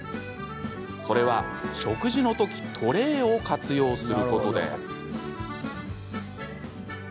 それは食事の時トレーを活用することです。